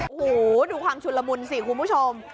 โอ้โหดูความชุนละมุนสิคุณผู้ชม